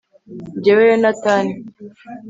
jyewe yonatani